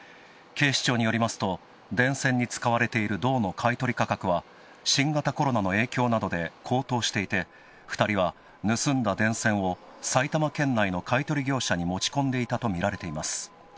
警視庁によりますと電線に使われている銅の買い取り価格は新型コロナの影響などで高騰していて２人は盗んだ電線を埼玉県内の買い取り業者に持ち込んでいたとみられています。